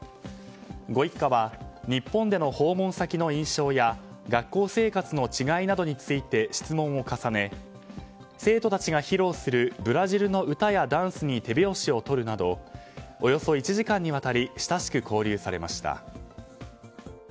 ご一家は日本での訪問先の印象や学校生活の違いなどについて質問を重ね生徒たちが披露するブラジルの歌やダンスに手拍子をとるなどおよそ１時間にわたり親しく交流されました。